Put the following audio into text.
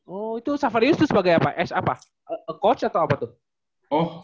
oh itu saferius itu sebagai apa coach atau apa tuh